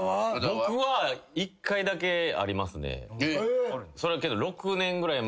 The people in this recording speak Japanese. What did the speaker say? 僕は１回だけありますね。